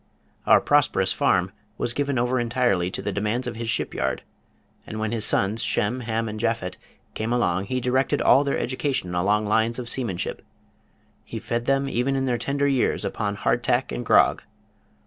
Our prosperous farm was given over entirely to the demands of his ship yard, and when his sons, Shem, Ham and Japhet came along he directed all their education along lines of seamanship. He fed them even in their tender years upon hard tack and grog.